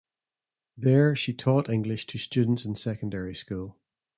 There she taught English to students in secondary school.